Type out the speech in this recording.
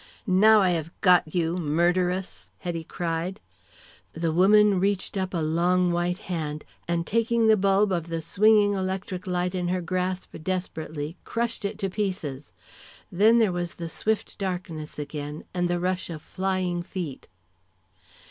"Now I have got you, murderess!" Hetty cried. The woman reached up a long white hand, and taking the bulb of the swinging electric light in her grasp desperately, crushed it to pieces. Then there was swift darkness again and the rush of flying feet.